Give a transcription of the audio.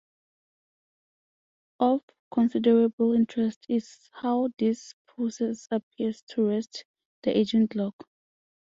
Of considerable interest is how this process appears to reset the aging clock.